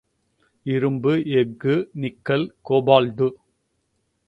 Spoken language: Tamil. இரும்பு, எஃகு நிக்கல், கோபால்டு.